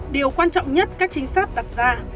điều quan trọng nhất các trình sát đặt ra